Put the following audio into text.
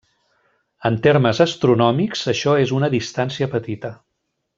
En termes astronòmics, això és una distància petita.